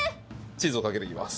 チーズをかけていきます。